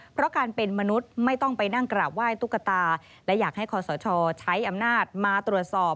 เพราะการเป็นมนุษย์ไม่ต้องไปนั่งกราบไหว้ตุ๊กตาและอยากให้คอสชใช้อำนาจมาตรวจสอบ